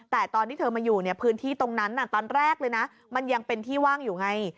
แต่ตอนที่เธอมาอยู่เนี่ยพื้นที่ตรงนั้นตอนแรกเลยนะมันยังเป็นที่ว่างอยู่ไง